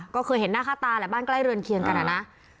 ก็เคยเห็นหน้าค่าตาแหละบ้านใกล้เรือนเคียงกันอะนะ